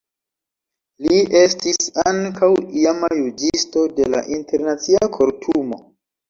Li estis ankaŭ iama juĝisto de la Internacia Kortumo.